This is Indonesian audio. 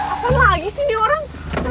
apaan lagi sih ini orang